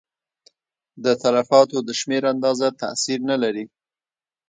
د تلفاتو د شمېر اندازه تاثیر نه لري.